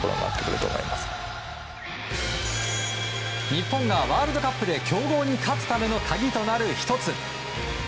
日本がワールドカップで強豪に勝つための鍵となる１つ。